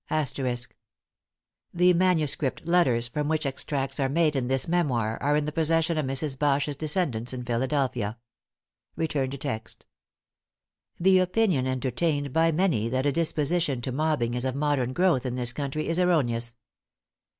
The manuscript letters from which extracts are made in this memoir, are in the possession of Mrs. Bache's descendants in Philadelphia. The opinion entertained by many that a disposition to mobbing is of modern growth in this country is erroneous.